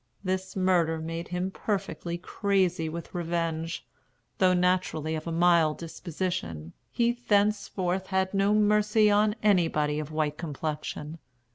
This murder made him perfectly crazy with revenge. Though naturally of a mild disposition, he thenceforth had no mercy on anybody of white complexion.